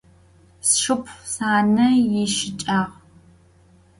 Sşşıpxhui cane yişıç'ağ.